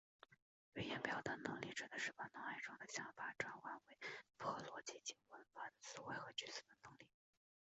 语言表达能力指的是把脑海中的想法转换为符合逻辑及文法的词汇和句子的能力。